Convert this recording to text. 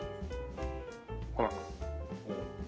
ほら。